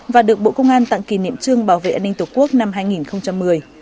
và được bộ công an tặng kỷ niệm trương bảo vệ an ninh tổ quốc năm hai nghìn một mươi